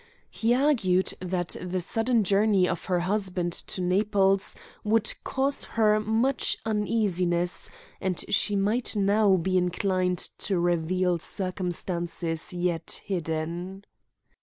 He argued that the sudden journey of her husband to Naples would cause her much uneasiness, and she might now be inclined to reveal circumstances yet hidden.